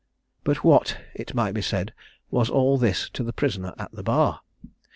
But what, it might be said, was all this to the prisoner at the bar?